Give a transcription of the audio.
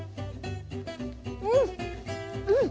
うん！